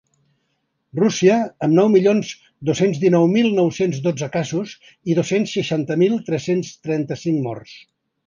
Rússia, amb nou milions dos-cents dinou mil nou-cents dotze casos i dos-cents seixanta mil tres-cents trenta-cinc morts.